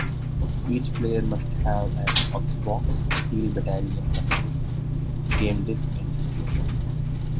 Each player must have an Xbox, Steel Battalion controller, game disc and display.